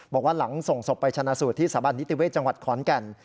บอกว่าหลังส่งศพไปชนะสูตรที่สถาบันนิติเวศจังหวัดขอนแก่น